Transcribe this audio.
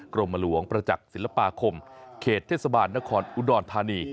กรมหลวงประจักษ์ศิลปาคมเขตเทศบาลนครอุดรธานี